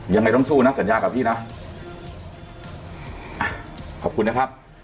ยังไงต้องสู้นะสัญญากับพี่นะอ่ะขอบคุณนะครับ